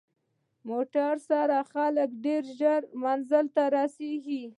موټر سره خلک ډېر ژر منزل ته رسېږي.